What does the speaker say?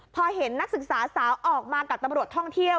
พอเห็นนักศึกษาสาวออกมากับตำรวจท่องเที่ยว